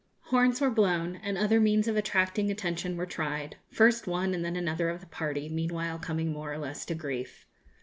Horns were blown, and other means of attracting attention were tried; first one and then another of the party meanwhile coming more or less to grief.